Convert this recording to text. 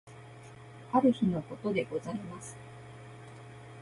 ある日のことでございます。